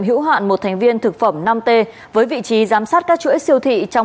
hữu hạn một thành viên thực phẩm năm t với vị trí giám sát các chuỗi siêu thị trong